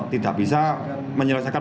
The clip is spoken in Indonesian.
tidak bisa menyelesaikan